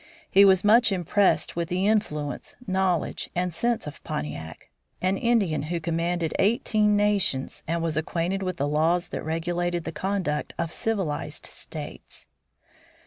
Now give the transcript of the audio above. He was much impressed with the influence, knowledge, and sense of Pontiac an Indian who commanded eighteen nations and was acquainted with the laws that regulated the conduct of civilized states.